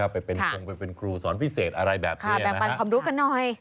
ไปเป็นตรงเครื่องไปอยากเสริมครูสอนพิเศษอะไรแบบนี้